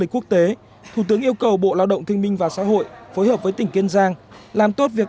quốc tế thủ tướng yêu cầu bộ lao động kinh minh và xã hội phối hợp với tỉnh kiên giang làm tốt việc